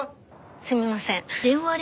すみません。